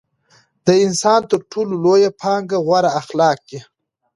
د انسان تر ټولو لويه پانګه غوره اخلاق دي.